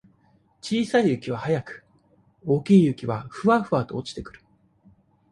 小さい雪は早く、大きい雪は、ふわふわと落ちてくる。